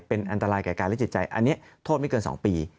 เป็นอันตรายแก่กายและจิตใจอันนี้โทษไม่เกิน๒ปี